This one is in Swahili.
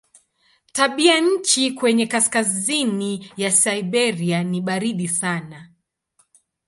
Tabianchi kwenye kaskazini ya Siberia ni baridi sana.